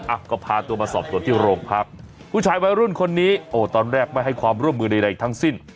อ่ะก็พาตัวมาสอบส่วนที่โรงพักผู้ชายวัยรุ่นคนนี้โอ้ตอนแรกไม่ให้ความร่วมมือใดทั้งสิ้น